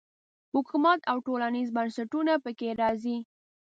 حکومت او ټولنیز بنسټونه په کې راځي.